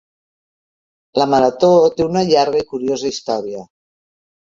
La marató té una llarga i curiosa història.